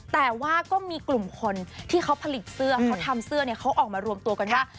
แต่ว่าก็มีกลุ่มคนที่เขาผลิตเสื้อเขาทำเสื้อเนี่ยเขาออกมารวมตัวกันว่า